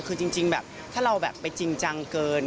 คือจริงแบบถ้าเราแบบไปจริงจังเกิน